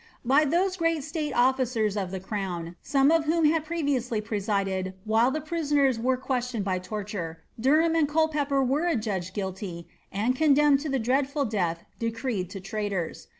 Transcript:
* By those grett state officers of the crown, some of whom had previously prooded while the prisoners were questioned by torture, Derham and Culpepper srere adjudged guilty and condemned to the dreadful death decreed to traitors.